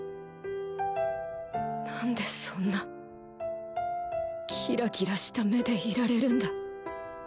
なんでそんなキラキラした目でいられるんだ。